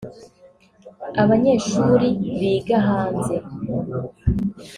abanyeshuri biga hanze